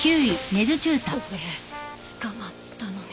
俺捕まったのに。